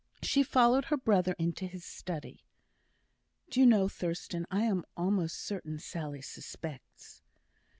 She followed her brother into his study. "Do you know, Thurstan, I am almost certain Sally suspects."